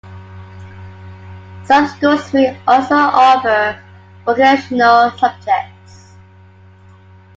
Some schools may also offer vocational subjects.